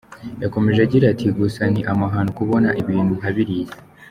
Yakomeje agira ati “Gusa ni amahano kubona ibintu nka biriya.